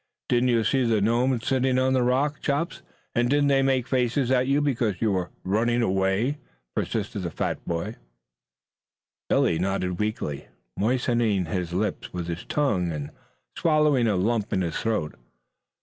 Didn't you see the gnomes sitting on a rock, Chops, and didn't they make faces at you because you were running away?" persisted the fat boy. Billy nodded weakly, moistening his lips with his tongue and swallowing a lump in his throat.